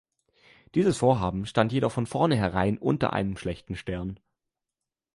Dieses Vorhaben stand jedoch von vorneherein unter einem schlechten Stern.